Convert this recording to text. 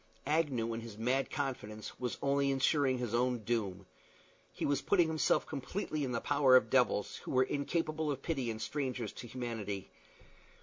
Agnew, in his mad confidence, was only insuring his own doom. He was putting himself completely in the power of devils, who were incapable of pity and strangers to humanity.